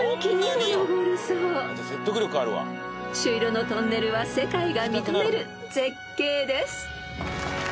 ［朱色のトンネルは世界が認める絶景です］